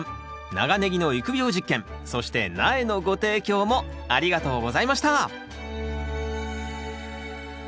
長ネギの育苗実験そして苗のご提供もありがとうございましたさあ